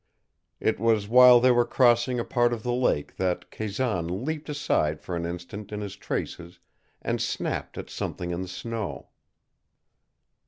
It was while they were crossing a part of the lake that Kazan leaped aside for an instant in his traces and snapped at something in the snow.